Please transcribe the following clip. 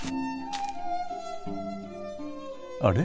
あれ？